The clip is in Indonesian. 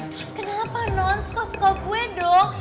terus kenapa non suka suka gue dong